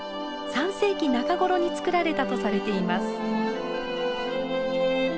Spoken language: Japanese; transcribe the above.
３世紀中頃に造られたとされています。